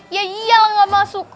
iya iyalah gak masuk